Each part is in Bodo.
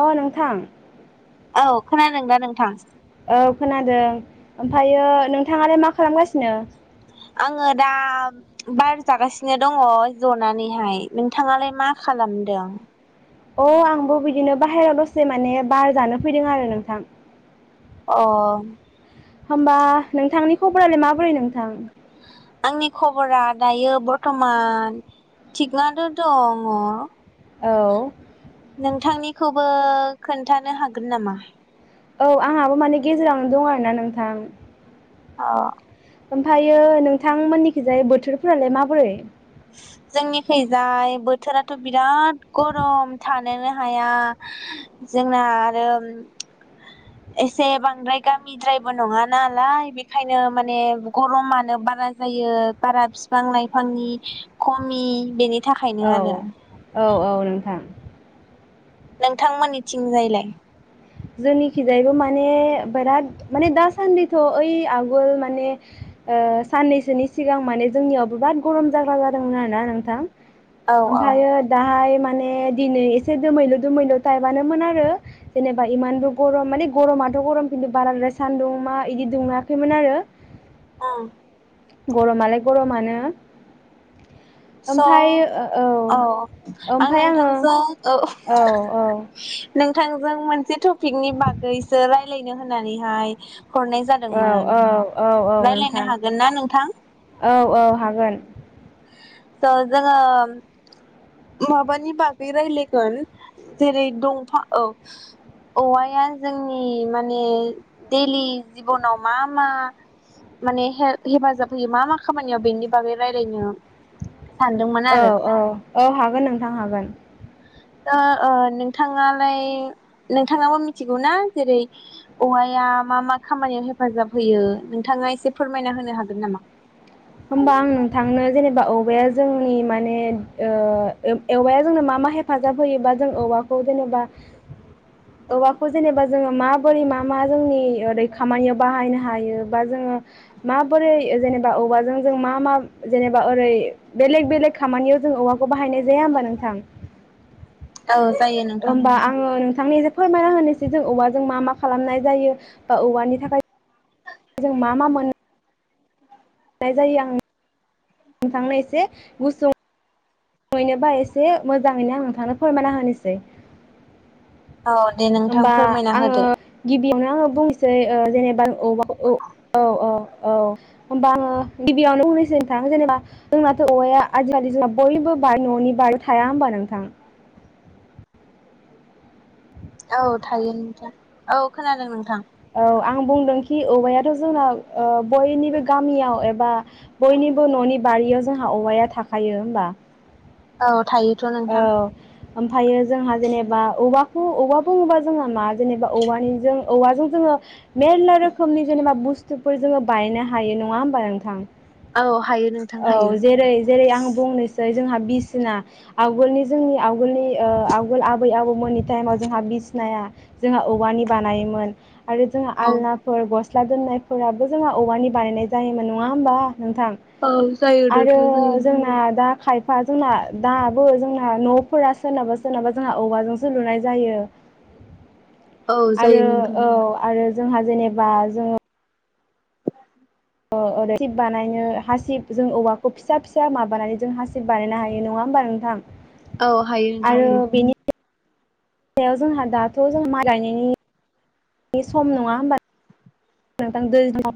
अ नोंथां औ खोनादों दा नोंथां? औ खोनादों ओमफ्रायो नोंथाङालाय मा खालामगासिनो? आङो दा बार जागासिनो दङ जनानैहाय नोंथाङालाय मा खालामदों? अ आंबो बिदिनो बाहेरायाव दसे माने बार जानो फैदों आरो नोंथां। अ। होमबा नोंथांनि खबरालाय माबोरै नोंथां? आंनि खबरा दायो बरथमान थिगनानो दङ। औ। नोंथांनिखौबो खोन्थानो हागोन नामा? औ आंहाबो माने गेजेरावनो दं आरोना नोंथां। अ। ओमफ्रायो नोंथांमोननिखिजाय बोथोरफोरालाय माबोरै? जोंनि खैजाय बोथोराथ' बिराद गरम थानोनो हाया जोंना आरो उम एसे बांद्राय गामिद्रायबो नङा नालाय बेखायनो माने गर'मानो बारा जायो बारा बिफां लाइफांनि खमि बेनि थाखायनो औ आरो औ औ नोंथां। नोंथांमोननिथिंजाय लाय? जोंनिखिजायैबो माने बिराद माने दासान्दिथ' ओइ आगोल माने ओ साननैसोनि सिगां माने जोंनियावबो बिराद गरम जाग्रा जादोंमोन आरोना नोंथां। औ औ ओमफ्रायो दाहाय मान माने दिनै एसे दोमैलु दोमैलु थायबानो मोन आरो जेने बा इमानबो गरम माने गरमाथ' गरम खिन्थु बाराद्राय सानदुं मा इदि दुङाखैमोन आरो। ओं। गरमा लाय गरमानो । स' औ आं ओमफाय आङो नोंथांजों औ [unintelligible] नों नोंथांजों मोनसे टपिकनि बागैसो रायलायनो होननानैहाय हरनाय औ औ जादोंमोन औ औ नोंथां रायलायनो हागोन ना नोंथां औ औ हागोन। स' जोङो माबानि बागै रायलायगोन जेरै दंफां औ औवाया जोंनि माने दैलि जिबनाव मा मा माने हे-हेफाजाब होयो मा मा खामानियाव बेनि बागै रायलायनो सानदोंमोन औ आरो औ औ हागोन नोंथां हागोन। ओ ओ नोंथाङालाय नोंथाङाबो मिथिगौ ना जेरै औवाया मा मा खामानियाव हेफाजाब होयो नोंथाङा एसे फोरमायना होनो हागोन नामा? होमबा आं नोंथांनो जेनेबा औवाया जोंनि माने‌ ओ एवाया जोंनो मा मा हेफाजाब होयो बा जों औवाखौ जेनेबा औवाखौ जेनेबा जोङो माबोरै मा मा जोंनि ओरै खामानिआव‌ बाहायनो बा जोङो माबोरै जेनेबा औवाजों जों जों मा मा जेनेबा ओरै बेलेग बेलेग खामानियाव जों औवाखौ बाहायनाय जाया होनबा नोंथां? औ जायो नोंथां। होमबा आङो नोंथांनि फोरमायना होनोसै जों औवाजों मा मा खालामनाय जायो बा औवानि थाखाय जों मा मा मोनो नाय जायो आं नोंथांनो एसे गुसुं [unintelligible] एसे मोजाङैनो आं थांनो फोरमायना होनोसै औ दे नोंथां होमबा फोरमायना आङो होदो। गिबियावनो आङो बुंसै ओ जेनेबा औवा औ औ-औ औ होमबा आङो गिबियावनो बुंनोसै थां जेनेबा जोंनाथ' औवाया आजिखालि जोंना बयबो बा न'नि बारि थाया होम्बा नोंथां औ थायो नोंथां औ खोनादों नोंथां औ आं बुंदोंखि औवायाथ' जोंना ओ बयनिबो गामियाव एबा बयनिबो न'नि बारियाव जोंहा औवाया थाखायो होम्बा औ थायो नोंथां ओमफ्रायो जोंहा जेनेबा बा औवाखौ औवा‌ बुंङोबा जोंहा मा जेनेबा औवानिजों औवाजों जोङो मेरला रोखोमनि जेनेबा बुस्थुफोर जोङो बानायनो हायो नङा होम्बा नोंथां औ हायो नोंथां हायो। औ जेरै-जेरै-आं बुंनोसै जोंहा बिसिना आवगोलनि जोंनि आव जोंनि ओ आवगोल आबै-आबौमोननि टाइमाव जोंहा बिसिनाया जोंहा औवानि बानायोमोन आरो जों औ आलनाफोर ग' स्लि दोननायफोराबो जोंहा औवानि बानायनाय जायोमोन नङा होमबा नोंथां? औ जायो आरो नोंथां जायो। जोंना दा खायफा जोंना दाबो जोंना न'फोरा सोरनाबा सोरनाबा जोंहा औवाजों सो लुनाय जायो औ । जायो आरो नोंथां औ आरो जोंहा जेनेबा जोङो [inaudible] ओ हासिब बानायनो हासिब जों औवाखौ फिसा-फिसा माबानानै जों हासिब बानायनो हायो नङा होम्बा नोंथां? औ हायो नोंथां हायो। आरो बेनि सायाव जोंहा दाथ' जोंहा माइ गायनायनि सम नङा होम्बा नोंथां?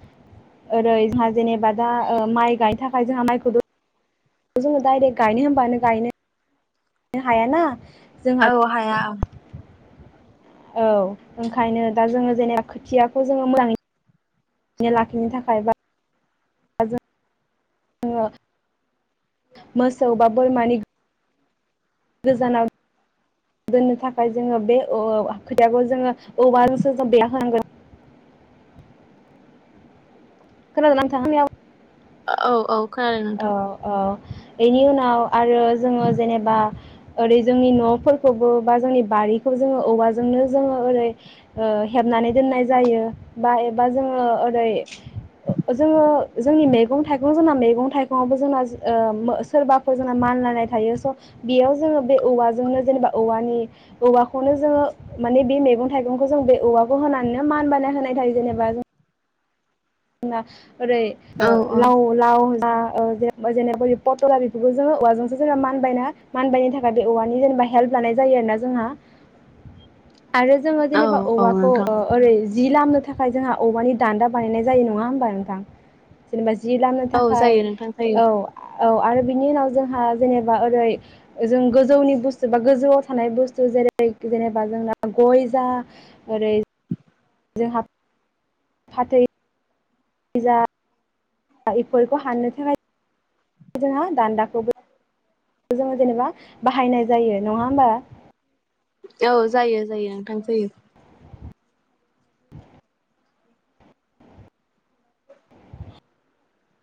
ओरै जेनेबा दा ओ माइ गायनो थाखाय ओमफ्राय जोंहा माइखौ जोङो डाइरेक्ट गायनो होनबानो गायनो हाया ना औ हाया औ, ओंखायनो दा जोङो जेनेबा खोथियाखौ जोङो मोजाङैनो लाखिनो थाखाय बा मोसौ बा बोरमानि गोजानाव दोननो थाखाय जोङो बे ओ खोथियिखौ जोङो औवाजोंसो जों बेरा होनांगोन। खोनादोंना नोंथाङा? औ औ खोनादों औ नोंथां औ बेनि उनाव आरो जोङो जेनेबा ओरै जोंनि न'फोरखौबो बा जोंनि बारिखौ जोङो औवाजोंनो जोङो ओरै ओ हेबनानै दोननाय जायो बा एबा जोङो ओरै जोङो जोंनि मेगं-थाइगं जोंना मैगं-थाइ गङावबो जोंना ओ सोरबाफोर जोंना मानलायनाय थायो स' बेयाव जोङो बे औवाजोंनो जेनेबा औवानि औवाखौनो जोङो माने बे मैगं थाइगंखौ जों बे औवाखौ होनानैनो मान बायनो होनाय जायो जेनेबा जों [unintelligible] ओरै औ औ लाव-लाव जा [unintelligible] हेल्प लानाय जायो आरोना जोंहा। आरो जोङो औ जेनेबा औ औवाखौ नोंथां ओ ओरै जि लामनो थाखाय जोंहा औवानि दान्दा बानायनाय। जायो नङा होमबा नोंथां? जेनेबा जि लामानो औ थाखाय जायो नोंथां जायो औ औ आरो बिनि उनाव जोंहा जेनेबा ओरै जों गोजौनि बुस्थु बा गोजौआव थानाय बुस्थु जेरै जेनेबा जोंना गय जा ओरै जोंहा। फाथै। जा। ओ इफोरखौ हाननो थाखाय जोंहा दान्दाखौबो। जोङो जेनेबा बाहायनाय जायो नङा होमबा? औ जायो जायो। थां जायो।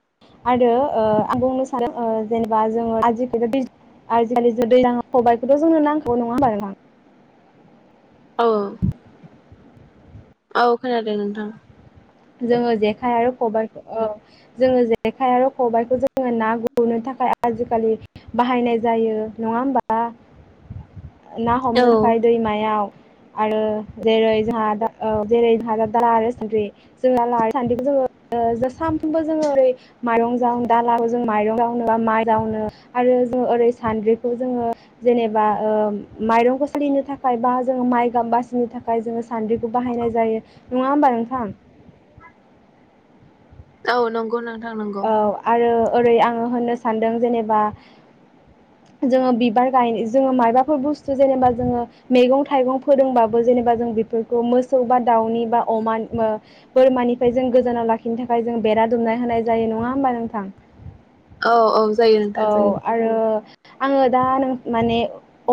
[unintelligible] औ [inaudible] औ खोनादों नोंथां। जोङो जेखाइ आरो खबाइ ओ जोङो जेखाइ आरो खबाइखौ जोङो ना गुरनो थाखाय आजिखालि बाहायनाय जायो नङा होमबा ना औ हमनो थाखाय दैमायाव। आरो जेरै जाहा दा [unintelligible] [unintelligible] औ नोंगौ नों औ आरो ओरै आङो होननो सानदों जेनेबा जोङो बिबार। गाय जोङो मायबाफोर बुस [inaudible] जेनेबा जोङो मैगं थाइगं फोदोंबाबो जेनेबा जों बेफोरखौ मोसौ बा दाउनि बा अमा [unintelligible] ओ बोरमानिफ्राय जों गोजानाव लाखिनो थाखाय जों बेरा दुमनाय होनाय। जायो नङा होमबा नोंथां? औ औ। जायो औ नोंथां जायो आरो। आङो दा नों माने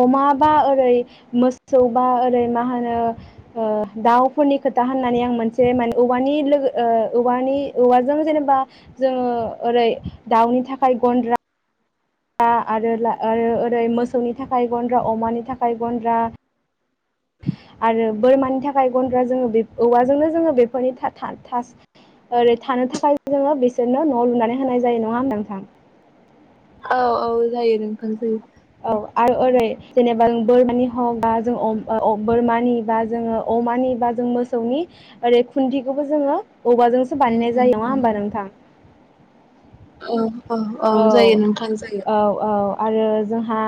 अमा बा ओरै मोसौ बा ओरै मा होनो ओ दाउफोरनि खोथा होननानै आं मोनसे [inaudible] औवानि लोगो ओ औवानि औवाजों जेनेबा जोङो ओरै दाउनि थाखाय गन्द्रा। [inaudible] आरो आरो ओरै मोसौनि थाखाय गन्द्रा अमानि थाखाय गन्द्रा। आरो बोरमानि थाखाय गन्द्रा जोङो बे औवाजोंनो जोङो बेफोरनि था था थास ओरै थानो थाखाय जोङो बिसोरनो न' लुनानै होनाय जायो नङा होमबा नोंथां? औ औ जायो नोंथां जायो। औ आरो ओरै जेनेबा जों बोरमानि हम बा जों अम अ बोरमानि बा जोङो अमानि बा जों मोसौनि ओरै खुन्थिखौबो जोङो औवाजोंसो उम बानायनाय उम जायो नङा होमबा नोंथां ओ ओ औ जायो नोंथां जायो औ औ आरो जोंहा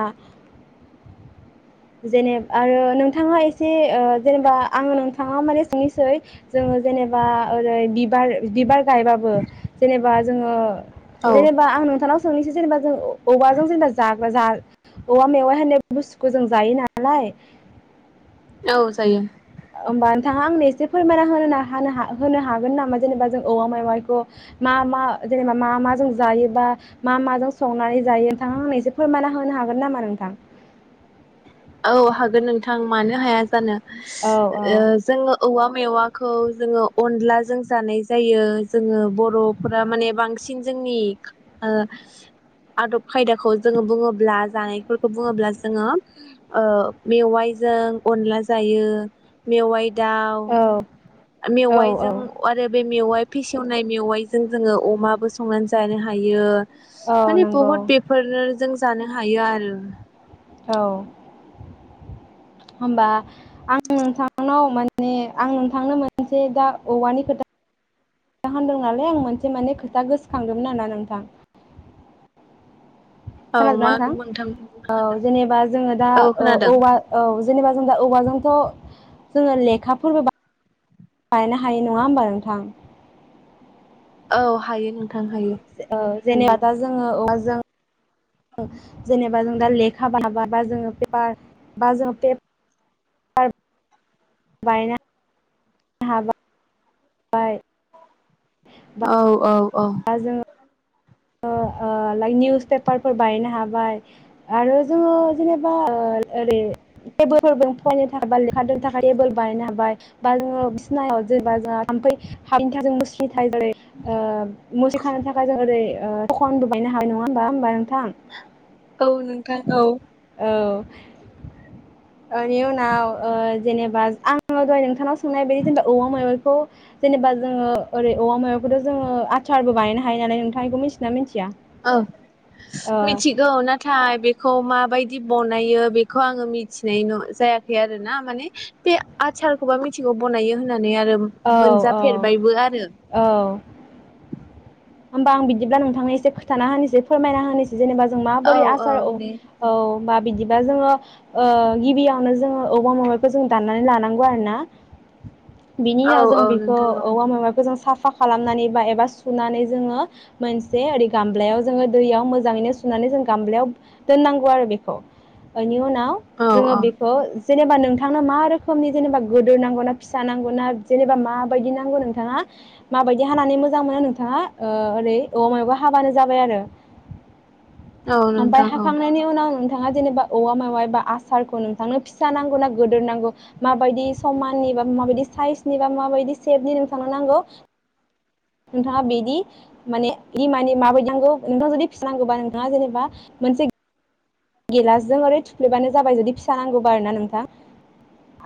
जेने आरो नोंथाङा एसे ओ जेनेबा आङो नोंथांआ माने सोंनिसै जोङो जेनेबा ओरै बिबार-बिबार गायबाबो जेनेबा जोङो औ जेनेबा आं नोंथांनाव सोंनिसै जेनेबा जों औवाजों जोंना जाग्रा जा औवा मेवाइ होननाय बुस्थुखौ जों जायो नालाय औ जायो होमबा नोंथाङा आंनो एसे फोरमायना होनोना होनो होनो हागोन नामा जेनेबा जों औवा मेवाइखौ मा मा जेनेबा मा माजों जायोबा मा माजों संनानै जायो नोंथाङा आंनो एसे फोरमायना होनो हागोन नामा नोंथां औ हागोन नोंथां मानो हाया जानो औ औ [unintelligible] ओ जोङो औवा मेवाखौ जोङो अन्लाजों जानाय जायो जोङो बर'फोरा माने बांसिन जोंनि ओ आदब खायदाखौ जोङो बुङोब्ला जानायफोरखौ बुङोब्ला जोङो ओ मेवाइजों अनला जायो मेवाइ दाउ औ औ औ मेवाइजों आरो बे बे मेवाइ फिसेवनाय मेवाइजों जोंङो अमाबो संनानै जानो हायो। औ माने नंगौ बहुत बेफोरनो जों जानो हायो आरो औ होमबा आं नोंथांनाव मोन ने आं नोंथांनो मोनसे दा औवानि खोथा होनदों नालाय आं मोनसे माने खोथा गोसोखांदोंमोन आरोना नोंथां। औ खोनादोंना मा बुंनो नोंथां औ हागोन जेनेबा जोंङो दा औ खोनादों औ-औवा औ जेनेबा जों दा औवा जों आथ' जोङो लेखाफोरबो बा [unintelligible] हायो नङा होमबा नोंथां? औ हायो नों थां हायो। जेनेआ दा जोङो औव जों ओ जेनेबा जों दा लेखा बा-बा-बा जोङो पेपा बा जोंङो पेप [unintelligible] बायना हाबा आय औ औ अ ओ ओ लाइ निउस पेपारफोर बानायनो हाबाय आरो जोङो जेनेबा ओर ओरै टेबोलफोरजों फरायनो थाखाय एबा लेखा दोननो थाखाय टेबोल बानायनो हाबाय बा जोङो बिसिनायाव जेबा जोंहा थाम्फै हबिन्थाजोंबो मुस्रि [unintelligible] ओ मुसि खानो थाखाय जों ओरै खखन बो [unintelligible] बायनो हानाय नंङा होमबा होमबा नोंथां औ नोंथां औ। औ ओनि उनाव ओ जेनेबा आंङो जाय नोंथांनाव सोंनाय बे जेनेबा औवा मेवाइ खौ जेनेबा जोङो ओरै औवा माबायखौथ' जोंङो आसारबो बायनो हायो नालाय नोंथांखौ मिथियोना मिथि औ मिथिगौ नाथाय बेखौ माबाय दि बनायो बेखौ आंङो मिथिनाय न जायाखै आरो ना माने बे आसचारखौबा मिथिगौ बनायो होनना नेयारोम औ औ मोनजाफेरबायबो आरो। औ होमबा आं बिदिब्ला नोंथांनो एसे खोथाना होनिसै फोरमायना होनि जेनेबा जों माबोरै आसार औ औ बा बिदिबा जोंङो ओ गिबियावनो जोङो औवा मेवाइखौ जों दाननानै लानांगौ आरोना। बिनि औ उनाव जों औ बेखौ नोंथां औ औवा मेवाइखौ जों साफ साफा खालामनानै बा एबा सुनानै जोङो मोनसे ओरै गामब्लायाव जोङो दैयाव मोजाङैनो सुनानै जोङो गामब्लायाव दोंनांगौ आरो बेखौ। बेनि उना व औ जोङो औ बेखौ जेनेबा नोंथांनो मा रोखोमनि जेनेबा गोदोर नांगौ ना फिसा नांगौ ना जेनेबा माबायदि नांगौ नोंथाङा माबायदि हानानै मोजां मोनो नोंथाङा? ओ ओरै अ मायावबा हाबानो जाबाय आरो। औ ओमफाय नोंथां औ हाखांनायनि उनाव नोंथाङा जेनेबा औवा मेवाइ बा आसारखौ नोंथांनो फिसा नांगौ ना गोदोर नांगौ माबायदि समाननि बा माबायदि साइजनि बा माबायदि सेपनि नोंथांनो नांगौ नोंथाङा बिदि माने माने माबायदि नांगौ नोंथाङा जुदि फिसिनांगौबा नोंथाङा जेनेबा मोनसे गिलासजों ओरै थुफ्लेबानो जाबाय जुदि फिसा नांगौबा आरोना नोंथां।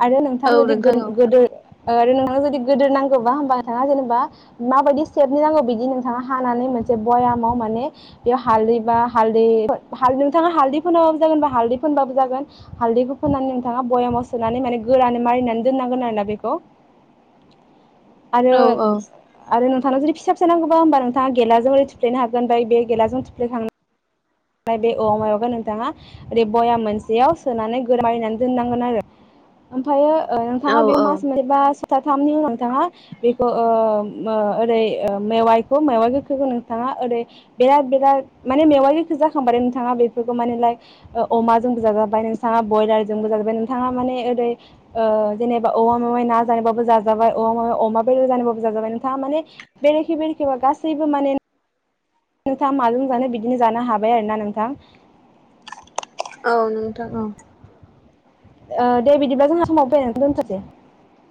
आरो नोंथां औ जुदि औ गो-गोदोर आरो नोंथांनो जुदि गोदोर नांगौबा होमबा नोंथाङा जेनेबा माबायदि सेपनि नांगौ बिदि नोंथाङा हानानै मोनसे बयामाव माने बेयाव हालदै बा हालदै नोंथाङा हालदै फोनाबो जागोन बा हालदै फोनबाबो जागोन हालदैखौ फोननानै नोंथाङा बयामाव सोनानै माने गोरानै मारिनानै दोननांगोन आरोना बेखौ। आरो औ औ आरो नोंथांना जुदि फिसा फिसा नांगौबा होमबा नोंथाङा गेलाजों ओरै थुफ्लेनो हागोन ओमफाय बे गेलाजों थुफ्लेखां ओमफाय बे औ मायावबा नोंथाङा ओरै बयाम मोनसेयाव सोनानै गोरा मारिनानै दोननांगोन आरो। ओमफायो ओ नोंथाङा औ बेयाव औ मास मोनसे बा सथा थामनि नोंथाङा बेखौ ओ ओ ओरै मेवाइखौ मेवाइ गोखैखो नोंथाङा ओरै बिराद बेराद माने मेवाइ जाखांबाथाय नोंथाङा बेफोरखौ माने लाइक अमाजोंबो जाजाबाय नोंथाङा बयलारजोंबो जाजाबाय नोंथाङा माने ओरै ओ जेनेबा औवा मेवाय ना बाबो जाजाबाय औवा मेवाय अमा बेदर जानायबाबो जाजाबाय नोंथाङा माने बेरेखे बेरेखेबाबो गासैबो माने नोंथाङा माजों जानो बिदिनो जानो हाबाय आरोना नोंथां औ नोंथां औ ओ दे बिदिब्ला जोंहा समाबो सबायना दोनथसै